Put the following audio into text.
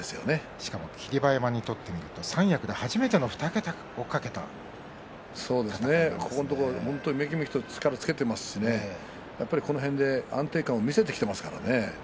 しかも、霧馬山にとってみると三役で初めてのここのところめきめきと力をつけていますしこの辺で安定感を見せてきていますからね。